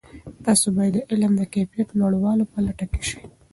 تاسې باید د علم د کیفیت لوړولو په لټه کې سئ.